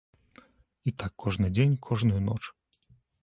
І так кожны дзень, кожную ноч.